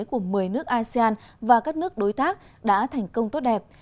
của một mươi nước asean và các nước đối tác đã thành công tốt đẹp